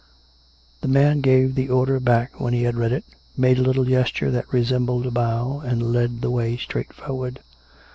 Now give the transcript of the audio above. The man gave the order back when he had read it, made a little gesture that resembled a bow, and led the way straight forward.